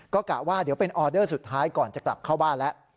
ก็กะว่าเดี๋ยวเป็นออเดอร์สุดท้ายก่อนจะกลับเข้าบ้านแล้ว